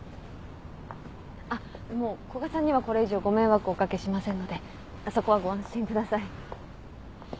あっもう古賀さんにはこれ以上ご迷惑お掛けしませんのでそこはご安心ください。